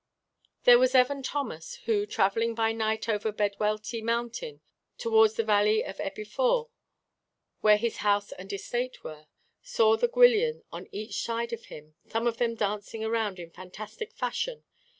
There was Evan Thomas, who, travelling by night over Bedwellty Mountain, towards the valley of Ebwy Fawr, where his house and estate were, saw the Gwyllion on each side of him, some of them dancing around him in fantastic fashion.